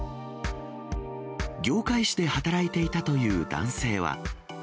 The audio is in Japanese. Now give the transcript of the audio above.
業界紙で働いていたという男性は。